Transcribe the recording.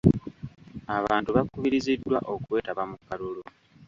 Abantu bakubiriziddwa okwetaba mu kalulu.